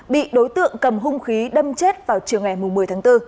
bị đối tượng cầm hung khí đâm chết vào chiều ngày một mươi tháng bốn